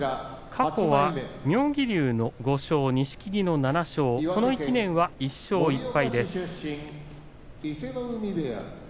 過去は妙義龍の５勝、錦木の７勝この１年は１勝１敗です。